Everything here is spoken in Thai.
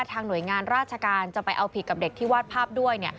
หน่วยงานราชการจะไปเอาผิดกับเด็กที่วาดภาพด้วย